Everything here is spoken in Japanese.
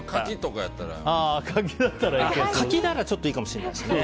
柿ならいいかもしれないですね。